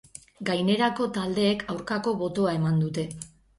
Gainerako taldeek aurkako botoa eman dute.